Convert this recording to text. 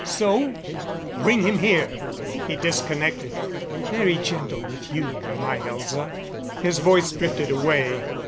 "So? Bring him here." He disconnected. "...very gentle with you, my Elza " His voice drifted away.